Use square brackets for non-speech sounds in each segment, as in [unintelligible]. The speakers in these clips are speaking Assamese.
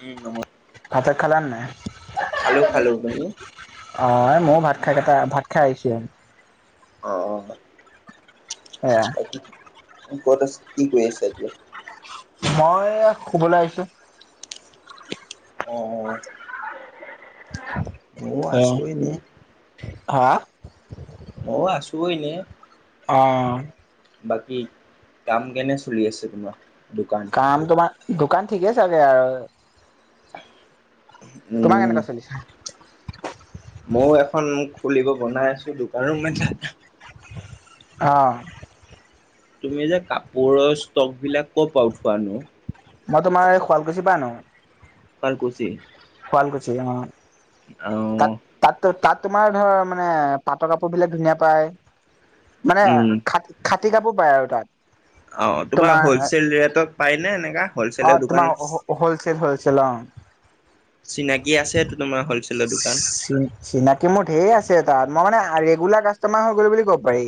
উম নম ভাত চাট খালান নাই খালো খালো তুমি [unintelligible] অ মইও ভাত খাই কেইটা ভাত খাই আহিছে আহ ব এয়া ক'ত আছা কি কৰি আছা এতিয়া মই শুবলৈ আহিছো আহ অ মইও আছো এনে হাঁ ময়ো আছো এনে অ বাকী কাম কেনে চলি আছে তোমাৰ দোকান কাম তোমাৰ দোকান ঠিকে চাগে আৰু তোমাৰ উম কেনেকুৱা চলিছে মইও এখন মুখ খুলিব বনাই আছো দোকানো এটা এটা অঁ তুমি যে কাপোৰৰ ষ্টক বিলাক ক'ত উঠোৱা নো মই তোমাৰ এই শুৱালকুছিৰ পা আনো শুৱালকুচি শুৱালকুচি অ আহ তাত তাত তাত তোমাৰ ধৰ মানে পাটৰ কাপোৰ বিলাক ধুনীয়া পায় মানে উম খা খাতি তি কাপোৰ পায় আৰু তাত অ', তোমাৰ হ'লচেল ৰেটত পায় নে এনেকা। অ' হলচেলৰ দোকান তোমাৰ হ'লচেল হ'লচেল অ'। চিনাকি আছেতো তোমাৰ হলচেলৰ দোকান চি, চিনাকি মোৰ ধেৰ আছে তাত। মই মানে ৰেগুলাৰ কাষ্টমাৰ হৈ গ'লো বুলি ক'ব পাৰি।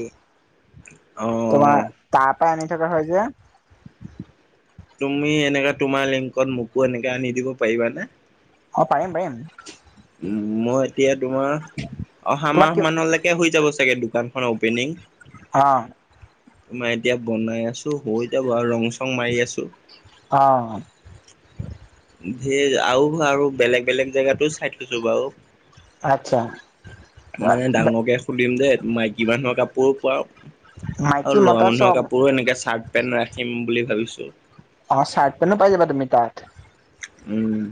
অ তোমাৰ তাত। সদায় আনি থকা হয় যে। তুমি এনেকা তোমাৰ লিংকত, মোকো এনেকে আনি দিব পাৰিবানে। অ' পাৰিম পাৰিম। উম্, মই এতিয়া তোমাৰ অহা তোমাক কি মাহ মানলৈকে হৈ যাব চাগে। চাগে দোকানখন অপেনিং। অ'। তোমাৰ এতিয়া বনাই আছো। হৈ যাব আৰু ৰং চং মাৰি আছো। অ'। ধেৰ আৰু। আৰু বেলেগ বেলেগ জেগাতো চাই থৈছো বাৰু। আচ্ছা মানে ডাঙৰকে খুলিম যেন। মাইকী মানুহৰ কাপোৰো পোৱা আৰু মাইকী ল'ৰা মতা মানুহৰ চব কাপোৰো এনেকে চাৰ্ট পেন্ট ৰাখি। ৰাখিম বুলি ভাবিছোঁ। অ' চাৰ্ট পেনো পাইজাবা তুমি তাত। উম্।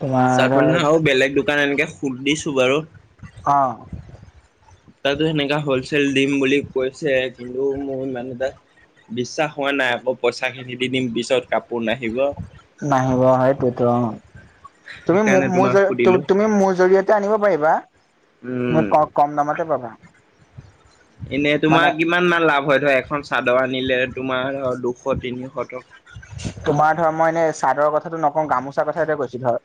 তোমাৰ চাৰ্ট পেন ধৰ আৰু বেলেগ দোকান এনেকে সুধিছো বাৰু। অ'। তাতো সেনেকা হ'লচেল দিম বুলি কৈছে। কিন্তু মোৰ ইমান এটা। বিশ্বাস হোৱা নাই। আকৌ পইচা খিনি দি দিম পিছত কাপোৰ নাহিব। নাহিব সেইটোয়েটো অ'। তুমি সেইকাৰণে তোমাক মোৰ, সুধিলো তুমি মোৰ জৰিয়তে আনিব পাৰিবা। তুমি উম ক, কম দামতে পাবা। এনেই মানে তোমাৰ কিমান মান লাভ হয় ধৰা। এখন চাদৰ আনিলে তোমাৰ। অ' দুশ তিনিশ টকা। তোমাৰ ধৰ মই এনে চাদৰ কথাটো নকওঁ। গামোচাৰ কথাটোৱে কৈছো ধৰ।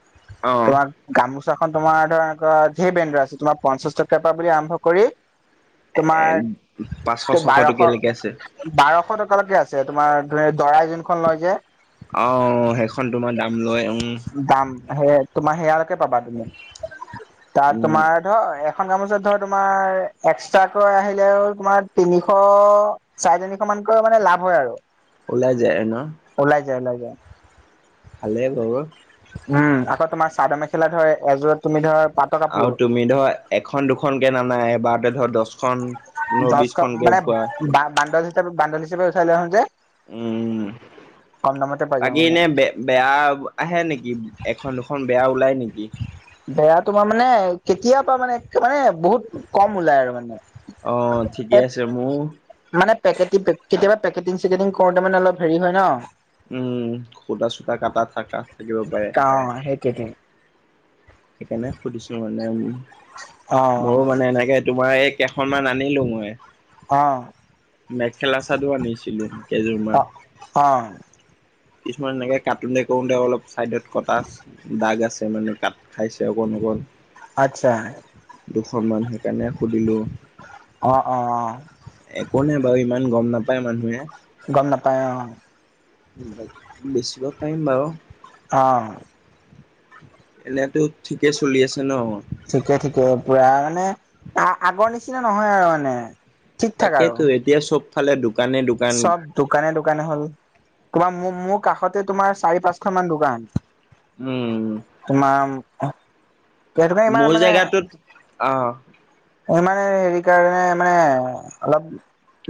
অ তোমাৰ গামোচা। গামোচাখন তোমাৰ ধৰ আকৌ, ধেই ব্ৰেণ্ডৰ আছে তোমাৰ পঞ্চাশ টকাৰ পৰা বুলি আৰম্ভ কৰি। তোমাৰ এ পাঁচশ ছশ বাৰশ, টকীয়ালৈকে আছে বাৰশ টকালৈকে আছে তোমাৰ। দৰাই যোনখন লয় যে। অহ্, সেইখন তোমাৰ দাম লয়, উম্। সেয়া, তোমাৰ সেয়ালৈকে পাবা তুমি। তাত উম তোমাৰ ধৰ। এখন গামোচা ধৰ তোমাৰ একষ্টাকৈ আহিলেও আৰু তোমাৰ তিনিশ, চাৰে তিনিশ মান। কৈও মানে লাভ হয় আৰু। ওলাই যায় আৰু ন। ওলাই যায় লাগে। ভালে টোৰ। উম্, আকৌ তোমাৰ চাদৰ মেখেলা ধৰ, এযোৰত তুমি ধৰা। আৰু তুমি ধৰা, এখন দুখনকে নানাই এবাৰতে ধৰ দশখন। দশখন মানে বানণ্ডল হিচাপে, বানণ্ডল হিচাপে উঠাই লই আহো যে। উম্। কম দামতে পাই যাওঁ বাকী মানে এনেই বে বেয়া আহে নেকি? এখন দুখন বেয়া ওলাই নেকি? কি? বেয়া তোমাৰ মানে, কেতিয়াবা মানে। মানে বহুত কম ওলাই আৰু অ মানে। ঠিকে আছে এই, মোৰ মানে পেকেটি পে। কেতিয়া পেকেটিং চেকেটিং কৰোতে মানে অলপ হেৰি হয় ন। উম্, সুটা চুটা কাটা থাকা থাকিব পাৰে। অ সেইটোৱেটো সেইকাৰণে সুধিছো মানে অ উ। মোৰো মানে এনেকে। তোমাৰ এই কেইখনমান আনিলো মই। অ'। মেখেলা চাদৰ আনিছিলো? কেইযোৰমান অ' অ' কিছুমান এনেকে কাটো তে ক'ৰো তে অলপ চাইডত কটা দাগ আছে মানে ক খাইছে অকন অকন। আচ্ছা। অকণমান সেইকাৰণে সুধিলোঁ। অ' অ' অ'। একো নাই বাৰু ইমান গ'ম নাপায় মানুহে। গ'ম নাপায় অ'। বেচিব পাৰিম বাৰু। অ'। এনেতো ঠিকে চলি আছে? ন ঠিকে ঠিকে পুৰা মানে আগৰ নিচিনা নহয় আৰু মানে। ঠিক ঠাক আৰু তাকেইতো এতিয়া চব ফালে দুব চব দোকানে দোকানে হ'ল। তোমাৰ মোৰ কাষতে তোমাৰ চাৰি পাঁচশ মান দোকান। উম। অ' সেইতো কাৰনে ইমান মোৰ মানে জেগাটোত অ', ইমানে হেৰি কাৰণে মানে অলপ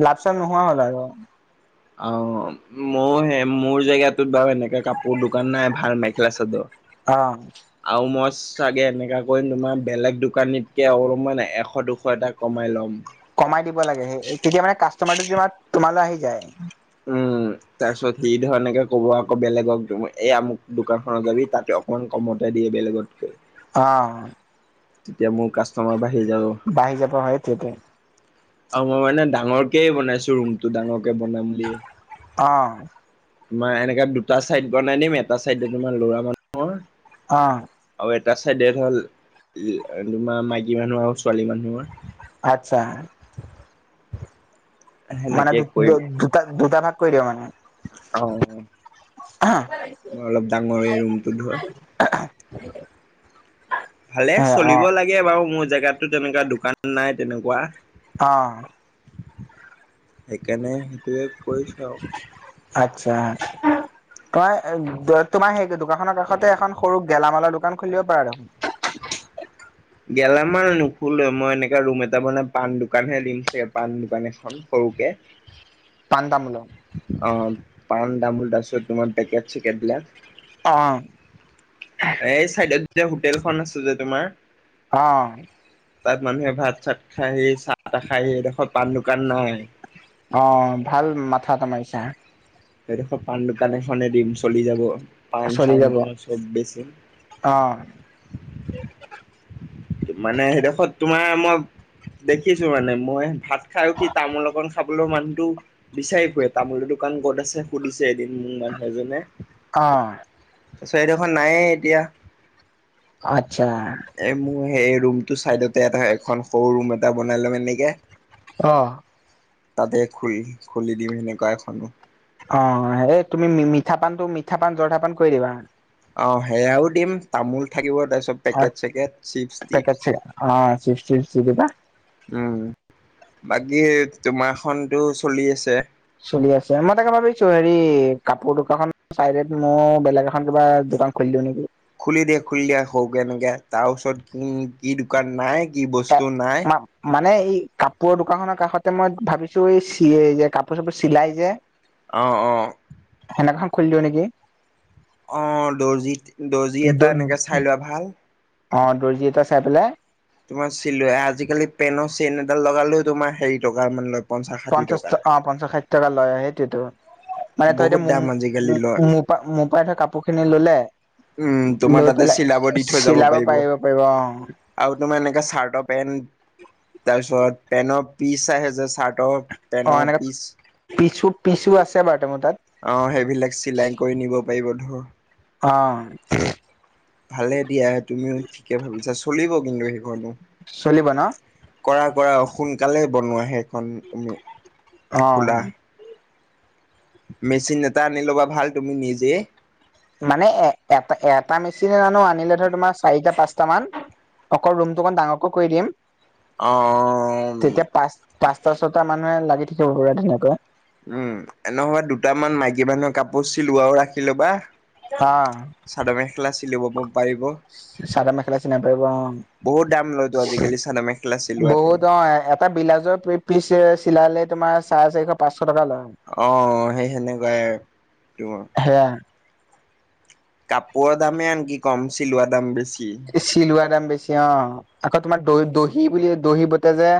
লাভ চাভ নোহোৱা হ'ল আৰু। অ' মই সে মোৰ জেগটোত বাৰু এনেকাে কাপোৰ দোকান নাই। ভাল মেখেলা চাদৰ আৰু অ'। মই চাগে, এনেকুৱা কৰি তোমাৰ বেলেগ দোকানীতকে অলপমান এশ দুশ এটা কমাই ল'ম। ক'মাই দিব লাগে, সেই তেতিয়া মানে কাষ্টমাৰটো তোমা -তোমালৈ আহি যায়। উম। তাৰ পিছত, সি ধৰ এনেকে ক'ব আকৌ বেলেগক এই আমুক দোকান খনত যাবি তাতে অকমান কমতে দিয়ে বেলেগতকৈ। অ'। তেতিয়া মোৰ কাষ্টমাৰ বাহিব বাঢ়ি যাব হয়। হেইতোৱেটো অ, মই মানে ডাঙৰকেই বনাইছো ৰুমটো ডাঙৰকে বনাম বুলিয়ে। অ তোমাৰ এনেকে দুটা চাইড বনাই দিম, এটা চাইডে তোমাৰ ল'ৰা মানুহৰ অ'। আৰু এটা চাইড হ'ল তোমাৰ মাইকী মানুহৰ আহ ছোৱালী মানুহৰ। আচ্ছা মানে সেনেকে দু- কৰিম দুটা দুটা ভাগ কৰি দিবা মানে? অ' তোমাৰ অলপ ডাঙৰ এই ৰুমটো ধৰ। [unintelligible] ভালে এ অ চলিব লাগে বাৰু, মোৰ জেগাতোত তেনেকুৱা দোকান নাই, তেনেকুৱা অ'। সেইকাৰণে, সেইটোৱে কৰিছো আৰু। উম [unintelligible] তোমাৰ- তোমাৰ সেই দোকানখনৰ কাষতে এখন সৰু গেলামালৰ দোকান খুলিব পাৰা দেখোন? [unintelligible] গেলামান নোখোলো। মই এনেকাে ৰুম এটা বনাই পাণ দোকানহে দিম চাগে, পাণ দোকান এখন। সৰুকে। [unintelligible] তামোলৰ অ' পাণ তামোল তাৰ পাছত তোমাৰ পেকেট চিকেটবিলাক। অ'। এই চাইডত যে হোটেলখন আছে যে তোমাৰ। অ'। তাত মানুহে ভাত চাত খাই চাহ তাহ খাইহি এডোখৰত পাণ দোকান নাই। অ', ভাল মাথা এটা মাৰিছো। সেইদোখৰত পান দোকান এখনেই দিম চলি যাব। পান চলি চান যাব তোমাৰ চব বেছিম। অ মানে সেইডোখৰত তোমাৰ মই দেখিছো মানে মই ভাত খাই উঠি তামোল অকন খাবলৈ মানুহটো বিচাৰি ফুৰে। তামোলটো দোকান ক'ত আছে সুধিছে এদিন মোৰ মানুহ এজনে। অহ। দোকান নায়ে এতিয়া। আচ্ছা। এ মোৰ সেই ৰুমটো চাইডতে এটা এখন সৰু ৰুম এটা বনাই লম এনেকে। অহ। তাতে খুলি খুলি দিম এনেকুৱা এখনো। অ', এই তুমি মি-মিঠা পানটো মিঠা পান জৰ্দা পান কৰি দিবা। অ', সেয়াও দিম তামোল থাকিব তাৰপিছত পেকেট চেকেট চিপ পেকেট টিপচ, অ চিপছ টিপছ দি দিবা উম। বাকী তোমাৰখনতো চলি আছে? চলি আছে। মই তাকে ভাবিছো হেৰি কাপোৰ দোকানখন চাইড মোৰ বেলেগ এখন কিবা দোকান খুলি দিওঁ নেকি? খুলি দিয়া খুলি দিয়া সৰুকে এনেকে তাৰ ওচৰত কি দোকান নাই। কি বস্তু নাই। মানে এই কাপোৰৰ দোকানখনৰ কাষতে মই ভাবিছো এই এই-চি যে কাপোৰ চাপোৰ চিলাই যে। অ', অ'। হেনেকুৱা এখন খুলিলোঁ নেকি! অ', দৰ্জিত দৰ্জি এটা এনেকে চাই লোৱা ভাল। অ', দৰ্জি এটা চাই পেলাই। তোমাৰ চিল আজিকালি পেনৰ চেইন এডাল লগালেও তোমাৰ হেৰি টকা মান ষাঠি পঞ্চাশ টকা অ' পঞ্চাশ ষাঠি টকা লৈ সেইটোৱেতো। মানে তই বহুত এতিয়া দাম আজিকালি লয় মো-মো-মোপা মোপা এটা কাপোৰ কিনি ল'লে উম তোমাৰ লৈ তাতে পেলাই চিলাব দি থৈ যাব চিলাব পাৰিব পাৰিব অ'। আৰু তোমাৰ এনেকাে চাৰ্টৰ পেণ্ট তাৰপিছত পেন্টৰ পিচ আহে যে চাৰ্টৰ পেণ্ট পিচ। পিছু আছে বাৰ আহ সেইবিলাক চিলাই কৰি নিব পাৰিব ধৰ। অ ভালে দিয়া তুমিও ঠিকে ভাবিছাচোন। চলিব কিন্তু সেইখনো। চলিব ন? কৰা কৰা সোনকালে বনোৱা হেইখন উম অ খোলা। মেচিন এটা আনি ল'বা ভাল তুমি নিজে। মানে এ-এটা-এটা মেচিনে নানো আনিলে ধৰ তোমাৰ চাৰিটা পাঁচটা মান। অকণ ৰুমটো অকণমান ডাঙৰকৈ কৰি দিম। অ', অ', অ', তেতিয়া পাঁচ উম। পাঁচটা ছটা মানুহে লাগি থাকিব পৰা ধুনিয়া কৈ। উম, এনে হয় দুটামান মাইকী মানুহক কাপোৰ চিলোৱাও ৰাখি ল'বা। অ চাদৰ মেখেলা চিলাব চাদৰ মেখেলা চিলাব লাগিব অ'। বহুত দাম লয়তো আজিকালি চাদৰ মেখেলা চিলোৱাটো বহুত অ' এটা বিলাউজৰ পিচ চি-চিলালে তোমাৰ চাৰে চাৰিশ পাঁচ অ', সেই সেনেকুৱাই আৰু তোমাৰ। সেয়া কাপোৰৰ দামে আনকি কম চিলোৱা দাম বেছি। চিলোৱা দাম বেছি অ', আকৌ তোমাৰ দহ-দহি বুলি দহি বোটে যে?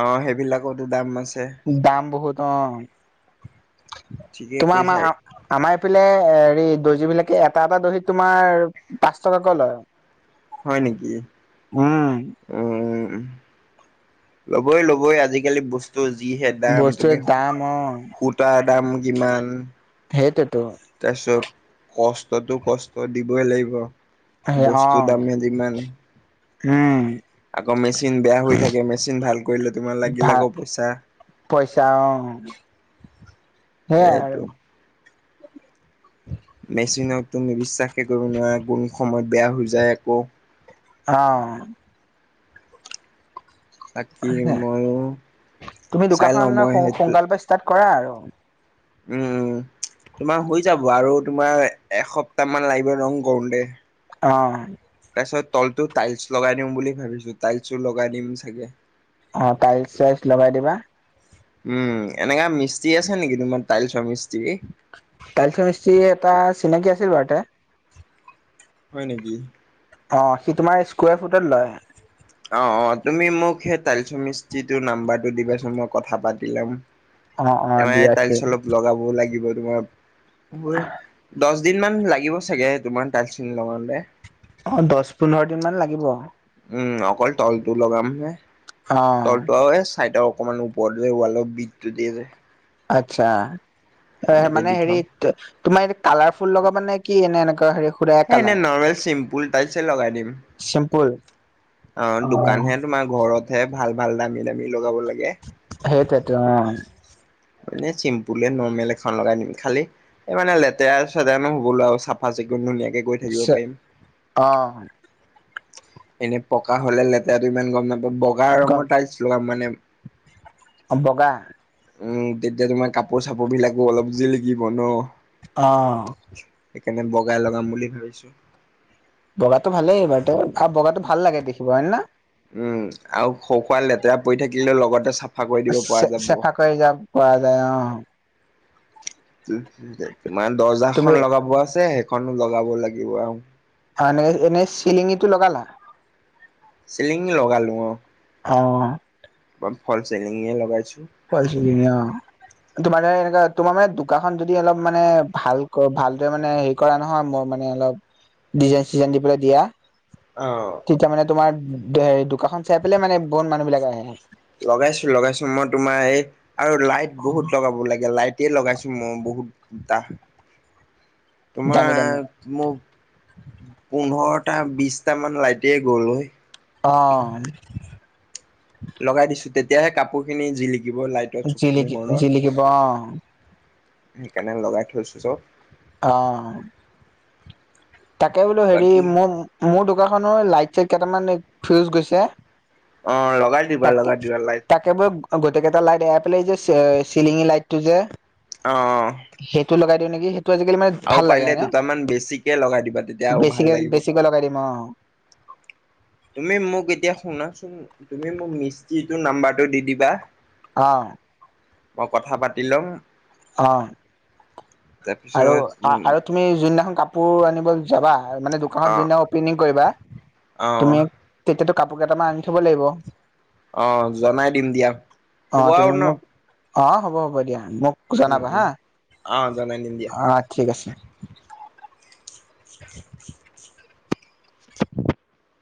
অ সেইবিলাকতো দাম আছে দাম বহুত অ'। ঠিকেই তোমাৰ কৈছা আমাৰ আমাৰ এইফালে হে দৰ্জী বিলাকে এটা, এটা দহিত তোমাৰ পাঁচ টকাকৈ লয়। হয় নেকি? উম [inaudible] ল'বই, ল'বই আজিকালি বস্তু। ত যিহে দাম বস্তুৰ তুমি দাম সূতা। অ, সূতাৰ দাম যিমান সেইটোতো তাৰপিছ কষ্ট দিবই লাগিব, সেই অ, বস্তু দামহে যিমান। উম। আকৌ মেচিন বেয়া হৈ থাকে, মেচিন ভাল কৰিলে তোমাৰ লাগিল ভাল আকৌ পইচা। পইচা অ', সেইয়াই এইটো আৰু। একোয়েই কৰিব নোৱাৰে, কোন সময়ত বেয়া হৈ যায় আকৌ। অ'। বাকী ময়ো তুমি চাই লওঁ দোকনখন মই সেইটোত সোনকালৰ পৰা ষ্টাৰ্ট কৰা আৰু। উম, তোমাৰ হৈ যাব আৰু তোমাৰ এসপ্তাহ মান লাগিব ৰং কৰোঁতে। অ'। তাৰপিছত তলটো টাইলছ লগাই দিম বুলি ভাবিছোঁ, টাইলছ লগাই দিম চাগে। অ', টাইলছ-চাইলছ লগাই দিবা। উম, এনেকা মিস্ত্ৰী আছে নেকি তোমাৰ তাইলছৰ মিস্ত্ৰী। টাইলচৰ মিস্ত্ৰী এটা চিনাকি আছিল বাৰু ইয়াতে। হয় নেকি? অ', সি তোমাৰ স্কাৰ ফুটত লয়। অ', অ' তুমি মোক সেই তালিচ মিস্ত্ৰীটো নাম্বাৰটো দিবাচোন মই কথা পাতি লম। অ, অ, তাৰমানে দিয়া আছে টাইলচ অলপ লগাব লাগিব। তোমাৰ দহ দিন মান লাগিব চাগে তোমাৰ টাইলচ খিনি লগাওঁতে। অ', দহ পোন্ধৰ দিন মান লাগিব। উম, অকল তলটো লগাম হে তলটো আৰু চাইডৰ। অকমান ওপৰত ৱালত যে বিতটো দিয়ে যে। অচ্ছা সেনেকে মানে দি হেৰি থম। তোমা কালাৰফুল লগাব মানে কি? এনে এনেকুৱা হেৰি। সুদাই এ, এনেই নৰ্মেল চিম্পুল টাইছ লগাই দিম। চিম্পল। অ', দোকানহে তোমাৰ ঘৰতহে ভাল, ভাল দামী, দামী লগাব লাগে। সেইটোৱেই টো অ'। মানে চিম্পুল নৰ্মেল এখন লগাই দিম, খালি এই মানে লেতেৰা চেতেৰা নহ'বলে আৰু চাফা চিকুণ ধুনীয়াকে। গৈ থাকিব পাৰিম। অ'। এনেই পকা হ'লে লেতেৰাটো ইমান গম নাপায়, বগা ৰঙৰ টাইলছ লগাম মানে। বগা? উম, তেতিয়া তোমাৰ কাপোৰ চাপোৰ বিলাকো অলপ জিলিকিব ন। অ'। সেইকাৰণে বগাই লগাম বুলি ভাবিছোঁ। বগাটো ভালেই এইবাৰ আৰু বগাটো ভাল লাগে দেখিব হয়ে ন? উম, আৰু সৰু খুৰা লেতেৰা পৰি থাকিলেও লগতে চা চ-চেফা কৰি যাব পোৱা যায় অ'। তোমাৰ দৰ্জা তুমি খন লগাব আছে। খনো লগাব লাগিব আৰু। অ এনেই এনেই চিলিঙিটো লগালা চিলিং লগালো অ অ ফলচ চিলিঙে লগাইছো ফলছ চিলিঙি অ তোমাৰ দৰে এনেকা তোমাৰ মানে দোকানখন যদি অলপ মানে ভাল ভালদৰে মানে হেৰি কৰা নহয় মানে অলপ ডিজাইন চিজাইন দি পেলাই দিয়া অ'। তেতিয়া মানে তোমাৰ হেৰি দোকানখন চাই পেলাই মানে বহুত মানুহ বিলাক আহে লগাইছো লগাইছো মই তোমাৰ এই আৰু লাইট বহুত লগাব লাগে লাইট টেই লগাইছো মই বহুত টা দামী তোমাৰ দামী মোৰ পোন্ধৰটা বিচটা মান লাইতে গ'ল অই অ লগাই দিছো তেতিয়াাহে কাপোৰ খিনি জিলিকি কিব লাইটৰ চুপ জিলিকি জিলিকিব অ', মোহৰত সেইকাৰণে লগাই থৈছো চব অ তাকে বোলো হেৰি বাকী মোৰ মোৰ দোকানখনৰ লাইট চাইট কেইটামান ফিউজ গৈছে অ লগাই দিবা তাক লগাই দিবা লাইট তাকেব গোটে কেইটা লাইট এৰাই পেলাই এই যে চিলিঙি লাইট টো যে আহ ত আজিকালি মানে ভাল লাগে মানে দুটামান বেছিকে লগাই দিবা তেতিয়া আৰু ভাল বেছিকে লাগিব বেছিকে লগাই দিম অ তুমি মোক এতিয়া শুনাচোন তুমি মোক মিস্ত্ৰীটো নাম্বাৰটো দি দিবা অ মই কথা পাতি লম। অ', আৰু তাৰপিছত উম আৰু তুমি যোনদিনাখন কাপ কাপোৰ আনিব যাবা মানে দোকান অ জুনদিনা অপেনিং কৰিবা অ তুমি তেতিয়া টো কাপোৰ কেইটামান আনি থ'ব লাগিব। অ', জনাই দিম দিয়া অ হ'ব তুমি আৰু ন। মোক অ', হ'ব হ'ব দিয়া মোক উম', জনাবা হা উম', অ', জনাই দিম দিয়া অ', ঠিক আছে। [inaudible] [unintelligible]